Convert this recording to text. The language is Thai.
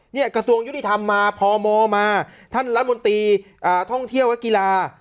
กระทรวงยุติธรรมมาพมมาท่านรัฐมนตรีท่องเที่ยวและกีฬา